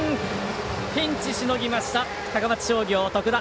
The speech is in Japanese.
ピンチしのぎました高松商業、徳田。